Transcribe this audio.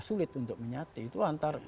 sulit untuk menyati itu antar